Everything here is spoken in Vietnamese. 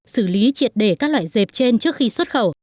xử lý triệt để các loại dẹp trên trước khi xuất khẩu